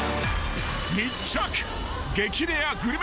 ［密着］